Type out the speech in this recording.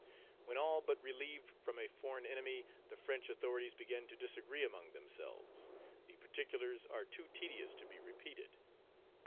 When all but relieved from a foreign enemy, the French authorities began to disagree among themselves. The particulars are too tedious to be repeated.